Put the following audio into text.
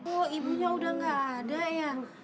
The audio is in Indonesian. oh ibunya udah gak ada ya